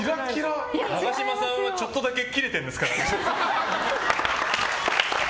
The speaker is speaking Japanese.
永島さんはちょっとだけキレてるんですか？